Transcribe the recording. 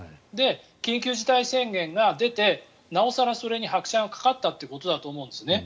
緊急事態宣言が出てなお更、それに拍車がかかったということだと思うんですね。